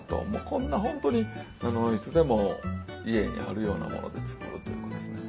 こんな本当にいつでも家にあるようなもので作るというものですね。